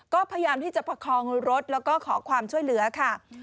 ก็พยายามที่จะประคองรถแล้วก็ขอความช่วยเหลือค่ะ